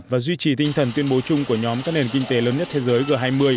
và duy trì tinh thần tuyên bố chung của nhóm các nền kinh tế lớn nhất thế giới g hai mươi